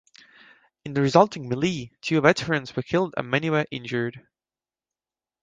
In the resulting melee, two veterans were killed and many were injured.